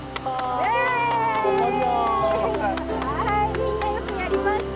はいみんなよくやりました。